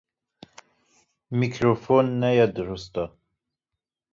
Mîkrofon neya dirust e.